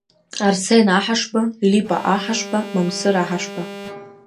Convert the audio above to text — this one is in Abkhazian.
Арсен Аҳашба, Липа Аҳашба, Мамсыр Аҳашба.